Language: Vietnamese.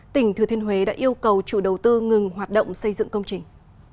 tỉnh thừa thiên huế đã yêu cầu chủ đầu tư ngừng hoạt động xây dựng công trình